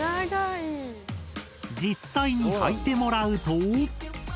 実際にはいてもらうと。